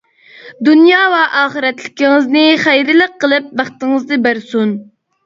دۇنيا ۋە ئاخىرەتلىكىڭىزنى خەيرلىك قىلىپ بەختىڭىزنى بەرسۇن!